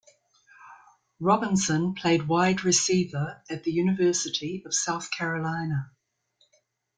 Robinson played wide receiver at the University of South Carolina.